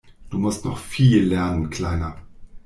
Du musst noch viel lernen, Kleiner!